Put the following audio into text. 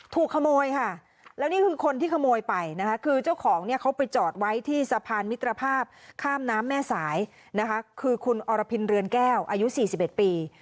ถูกขโมยค่ะแล้วนี่คือคนที่ขโมยไปนะคะคือเจ้าของเนี่ยเขาไปจอดไว้ที่สะพานมิตรภาพข้ามน้ำแม่สายนะคะคือคุณอรพินเรือนแก้วอายุ๔๑ปี